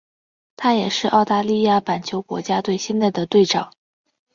他也是澳大利亚板球国家队现在的队长。